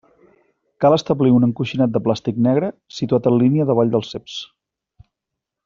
Cal establir un encoixinat de plàstic negre situat en línia davall dels ceps.